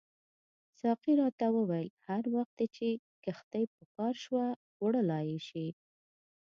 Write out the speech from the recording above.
ساقي راته وویل هر وخت چې دې کښتۍ په کار شوه وړلای یې شې.